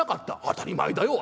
当たり前だよ。